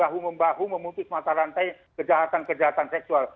bahu membahu memutus mata rantai kejahatan kejahatan seksual